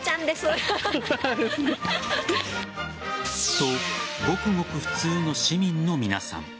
と、ごくごく普通の市民の皆さん。